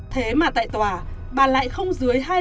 thế mà tại tòa bà lại không dưới